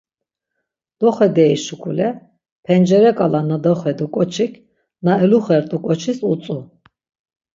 Doxedey şuǩule pencere ǩale na doxedu ǩoçik na eluxert̆u ǩoçis utzu.